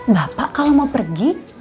bapak kalau mau pergi